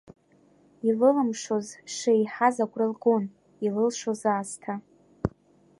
Илылымшоз шеиҳаз агәра лгон, илылшоз аасҭа.